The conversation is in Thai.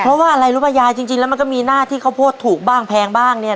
เพราะว่าอะไรรู้ป่ะยายจริงแล้วมันก็มีหน้าที่ข้าวโพดถูกบ้างแพงบ้างเนี่ย